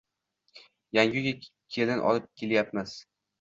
Yangi uyga kelin olib kelayapmiz